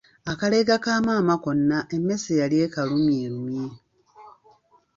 Akaleega ka maama konna emmese yali ekalumyerumye.